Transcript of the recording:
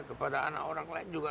kepada anak orang lain juga